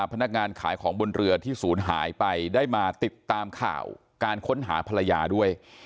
พนักงานขายของบนเรือที่ศูนย์หายไปได้มาติดตามข่าวการค้นหาภรรยาด้วย